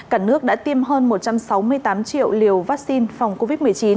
cả nước đã tiêm hơn một trăm sáu mươi tám triệu liều vaccine phòng covid một mươi chín